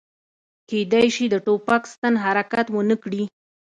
کیدای شي د ټوپک ستن حرکت ونه کړي